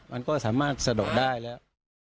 มันก็สามารถสะดอกได้แล้ว